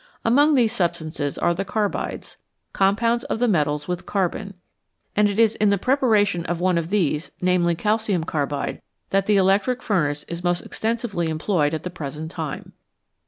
Among these substances are the carbides com pounds of the metals with carbon and it is in the pre paration of one of these, namely, calcium carbide, that the electric furnace is most extensively employed at the present time.